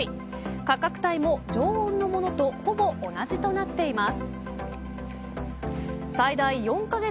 価格帯も常温のものとほぼ同じとなっています。